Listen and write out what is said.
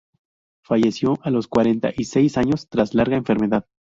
Falleció a los cuarenta y seis años tras larga enfermedad.